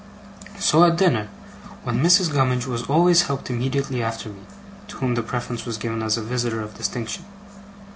So at dinner; when Mrs. Gummidge was always helped immediately after me, to whom the preference was given as a visitor of distinction.